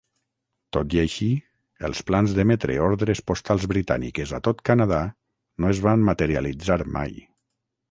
Tot i així, els plans d'emetre ordres postals britàniques a tot Canadà no es van materialitzar mai.